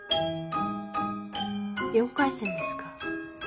４回戦ですか。